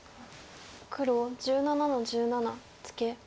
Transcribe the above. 黒１７の十七ツケ。